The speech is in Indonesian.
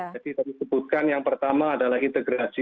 jadi tersebutkan yang pertama adalah integrasi